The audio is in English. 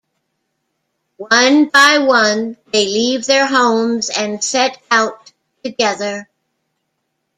One by one they leave their homes and set out together.